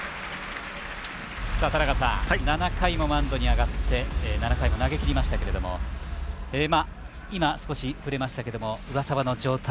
田中さん７回もマウンドに上がって７回も投げきりましたけど少し触れましたけども上沢の状態